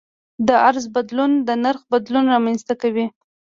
د عرضه بدلون د نرخ بدلون رامنځته کوي.